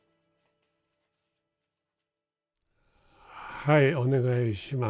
はいお願いします。